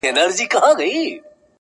دا شعرونه د شاهد محبت بوله